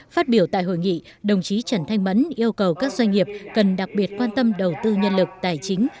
phát biểu tại hội nghị đồng chí trần thanh mẫn yêu cầu các doanh nghiệp cần đặc biệt quan tâm đầu tư nhân lực tài chính